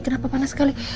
kenapa panas sekali